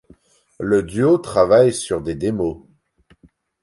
Le duo travaille sur des démos.